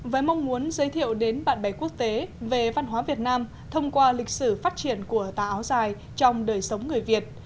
với mong muốn giới thiệu đến bạn bè quốc tế về văn hóa việt nam thông qua lịch sử phát triển của tà áo dài trong đời sống người việt